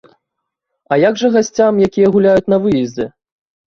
А як жа гасцям, якія гуляюць на выездзе?